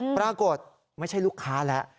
ปรากฏไม่ใช่ลูกค้าแล้ว